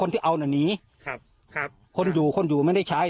คนที่เอานี่คนอยู่คนอยู่ไม่ได้ใช้